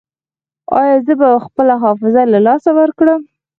ایا زه به خپله حافظه له لاسه ورکړم؟